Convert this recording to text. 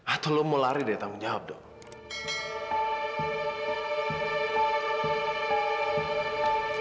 atau lo mau lari dari tanggung jawab dong